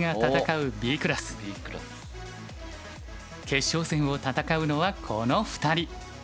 決勝戦を戦うのはこの２人。